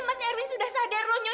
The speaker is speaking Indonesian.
itu mas erwin sudah sadar nyonya